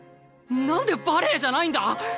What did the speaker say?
なんでバレエじゃないんだ？